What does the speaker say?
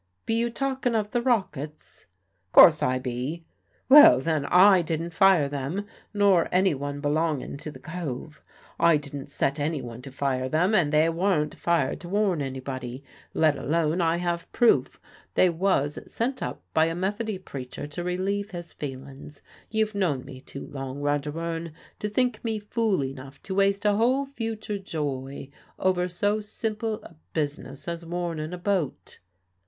"Be you talkin' of the rockets?" "'Course I be." "Well then, I didn't fire them, nor anyone belongin' to the Cove. I didn't set anyone to fire them, and they waren't fired to warn anybody. Let alone I have proof they was sent up by a Methody preacher to relieve his feelin's. You've known me too long, Roger Wearne, to think me fool enough to waste a whole future joy over so simple a business as warnin' a boat."